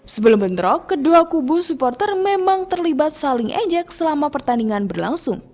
sebelum bentrok kedua kubu supporter memang terlibat saling ejek selama pertandingan berlangsung